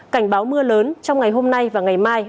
cảnh báo mưa lớn trong ngày hôm nay và ngày mai